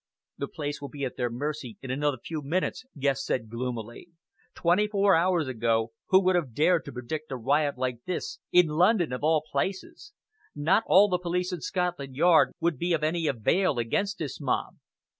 "The place will be at their mercy in another few minutes," Guest said gloomily. "Twenty four hours ago who would have dared to predict a riot like this, in London of all places? Not all the police in Scotland Yard would be of any avail against this mob."